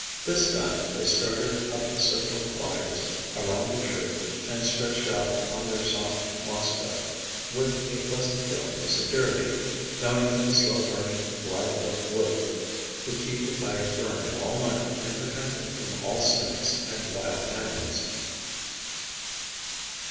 This done, they started up the circle of fires around the tree and stretched out on their soft moss bed with a pleasant feeling of security, knowing that the slow burning live oak wood would keep the fires burning all night and protect them from all snakes and wild animals.